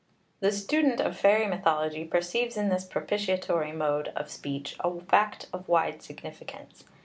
The student of fairy mythology perceives in this propitiatory mode of speech a fact of wide significance.